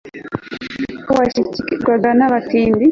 ko washyikirwaga n'abatindi